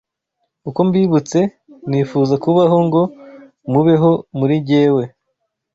Uko mbibutse nifuza kubaho ngo mubeho muri jyewe